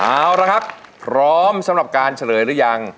เอาละครับพร้อมสำหรับการเฉลยหรือยัง